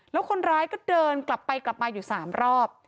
แล้วคนร้ายก็เดินกลับไปกลับมาอยู่๓รอบ